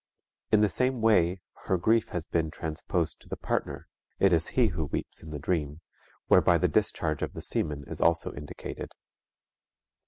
In the same way her grief has been transposed to the partner, it is he who weeps in the dream, whereby the discharge of the semen is also indicated.